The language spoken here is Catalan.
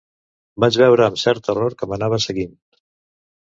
Vaig veure amb cert terror que m'anava seguint